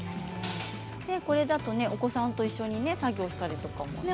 これだとお子さんと一緒に作業したりとかもね。